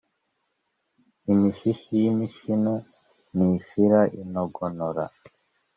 imishishi y'imishino ntishira inogonora